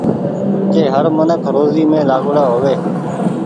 ڪي هر منک روزي مين لآگوڙآ هووي۔